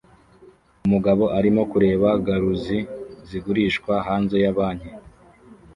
Umugabo arimo kureba garuzi zigurishwa hanze ya banki